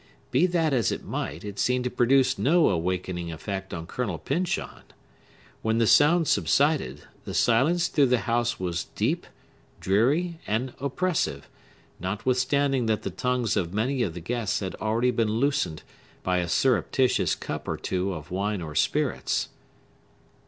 Be that as it might, it seemed to produce no awakening effect on Colonel Pyncheon. When the sound subsided, the silence through the house was deep, dreary, and oppressive, notwithstanding that the tongues of many of the guests had already been loosened by a surreptitious cup or two of wine or spirits.